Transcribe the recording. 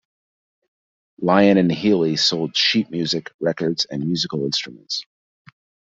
Lyon and Healy sold sheet music, records, and musical instruments.